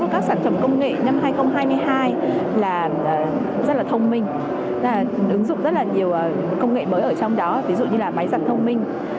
công nghệ mới ở trong đó ví dụ như là máy giặt thông minh